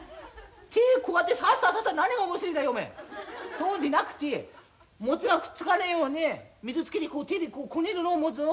そうでなくて餅がくっつかねえように水つけて手でこうこねるのお餅を。